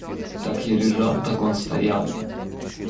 Так я лежал, так он стоял.